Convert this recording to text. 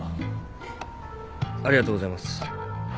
ありがとうございます。